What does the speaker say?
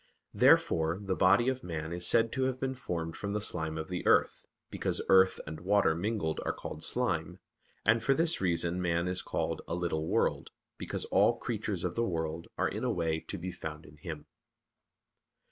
Therefore the body of man is said to have been formed from the slime of the earth; because earth and water mingled are called slime, and for this reason man is called "a little world," because all creatures of the world are in a way to be found in him.